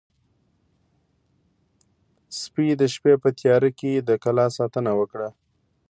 سپي د شپې په تیاره کې د کلا ساتنه وکړه.